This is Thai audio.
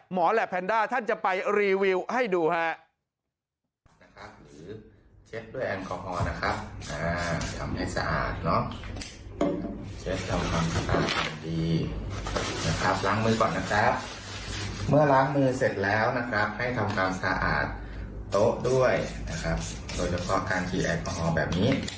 และแพนด้าท่านจะไปรีวิวให้ดูครับ